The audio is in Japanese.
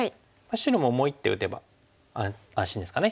白ももう一手打てば安心ですかね。